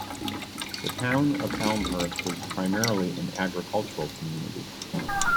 The town of Elmhurst was primarily an agricultural community.